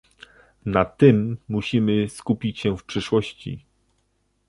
Na tym musimy skupić się w przyszłości